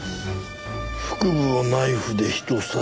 腹部をナイフでひと刺し。